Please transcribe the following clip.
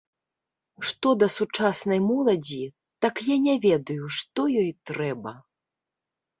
Што да сучаснай моладзі, так я не ведаю, што ёй трэба.